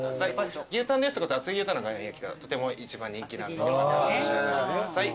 牛タンですと厚切り牛タンの岩塩焼きがとても一番人気なんでお召し上がりください。